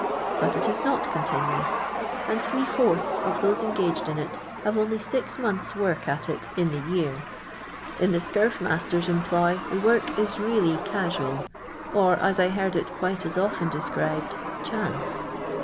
But it is not continuous, and three fourths of those engaged in it have only six months* work at it in the year. I In the scurf masters' employ, the work is really "casual," or, as I heard it quite as often de ■ scribed, " chance."